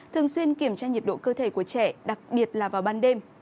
thường xuyên kiểm tra nhiệt độ cơ thể của trẻ đặc biệt là vào ban đêm